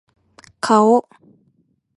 顔